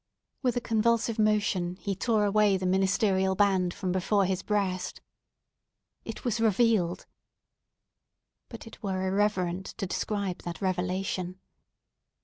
With a convulsive motion, he tore away the ministerial band from before his breast. It was revealed! But it were irreverent to describe that revelation.